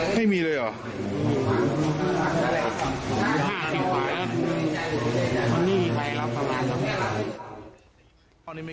ไม่มีเลยเหรอ